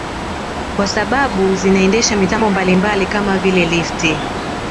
Kwa sababu zinaendesha mitambo mbalimbali kama vile lifti